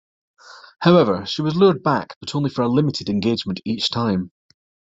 However, she was lured back, but only for a limited engagement each time.